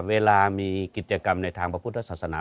เวลามีกิจกรรมในทางพระพุทธศาสนา